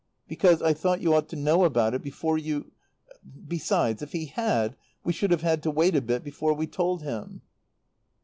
"Because I thought you ought to know about it before you Besides, if he had, we should have had to wait a bit before we told him."